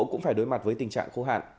cũng phải đối mặt với tình trạng khô hạn